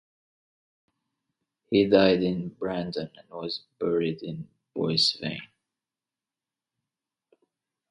He died in Brandon and was buried in Boissevain.